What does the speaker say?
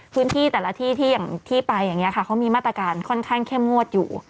พื้นที่แต่ละที่ที่อย่างที่ไปอย่างนี้ค่ะเขามีมาตรการค่อนข้างเข้มงวดอยู่